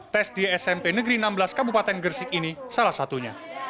tes di smp negeri enam belas kabupaten gresik ini salah satunya